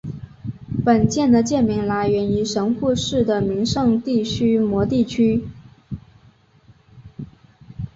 本舰的舰名来源于神户市的名胜地须磨地区。